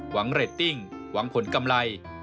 เรตติ้งหวังผลกำไร